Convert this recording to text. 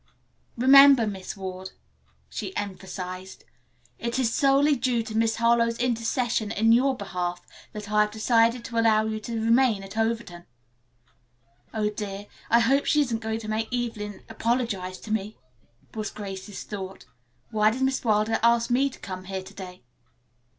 "Remember, Miss Ward," she emphasized, "it is solely due to Miss Harlowe's intercession in your behalf that I have decided to allow you to remain at Overton." "Oh, dear, I hope she isn't going to make Evelyn apologize to me," was Grace's thought. "Why did Miss Wilder ask me to come here to day?"